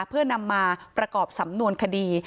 เพื่อนำมาประกอบสำนวนคดี